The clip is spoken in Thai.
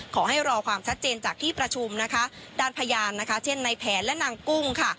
ขอให้รอความชัดเจนจากที่ประชุมนะคะด้านพยานนะคะเช่นในแผนและนางกุ้งค่ะ